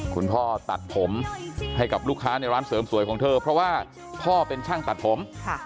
พ่อตัดผมให้กับลูกค้าในร้านเสริมสวยของเธอเพราะว่าพ่อเป็นช่างตัดผม